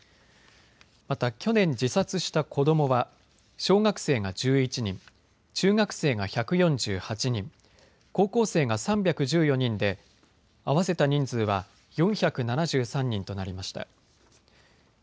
また去年自殺した子どもは小学生が１１人、中学生が１４８人、高校生が３１４人で合わせた人数は４７３人となりました。